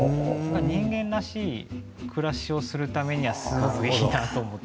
人間らしい暮らしをするためにはすごくいいなと思って。